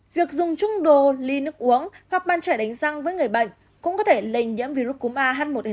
việc dùng chung đồ ly nước uống hoặc bàn chải đánh răng với người bệnh cũng có thể lây nhiễm virus cúm ah một n một